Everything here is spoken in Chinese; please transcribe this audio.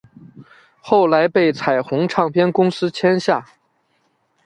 后来被彩虹唱片公司签下。